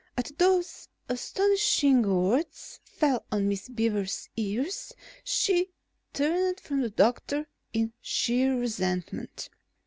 As those astonishing words fell on Miss Beaver's ears, she turned from the doctor in sheer resentment.